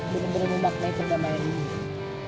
bener bener memaknai pendamain